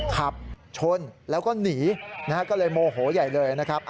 ขับชนแล้วก็หนีนะฮะก็เลยโมโหใหญ่เลยนะครับ